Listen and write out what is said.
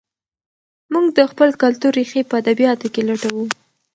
موږ د خپل کلتور ریښې په ادبیاتو کې لټوو.